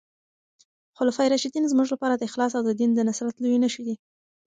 خلفای راشدین زموږ لپاره د اخلاص او د دین د نصرت لويې نښې دي.